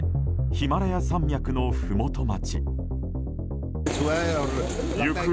ヒマラヤ山脈のふもと町。